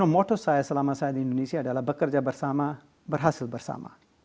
moto saya selama saya di indonesia adalah bekerja bersama berhasil bersama